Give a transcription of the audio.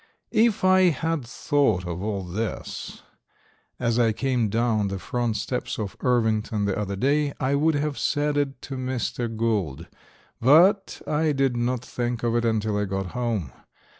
If I had thought of all this as I came down the front steps at Irvington the other day, I would have said it to Mr. Gould; but I did not think of it until I got home.